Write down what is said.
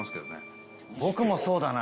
東山：僕もそうだな。